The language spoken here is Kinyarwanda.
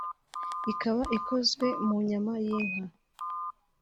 ikaba ikozwe mu nyama y’inka